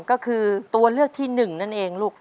ก็คือตัวเลือกที่๑นั่นเองลูก